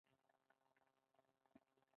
تعلیمي نثر د نثر یو ډول دﺉ.